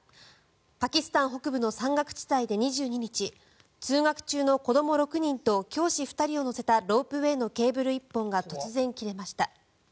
パキスタン北部の山岳地帯で２２日通学中の子ども６人と教師２人を乗せたロープウェーのケーブル１本が突然切れました。